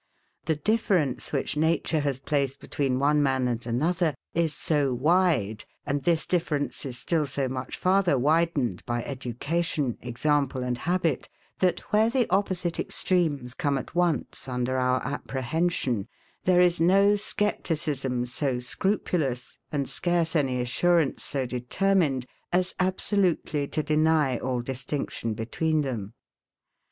The difference, which nature has placed between one man and another, is so wide, and this difference is still so much farther widened, by education, example, and habit, that, where the opposite extremes come at once under our apprehension, there is no scepticism so scrupulous, and scarce any assurance so determined, as absolutely to deny all distinction between them.